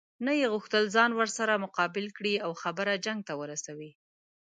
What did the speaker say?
نه یې غوښتل ځان ورسره مقابل کړي او خبره جنګ ته ورسوي.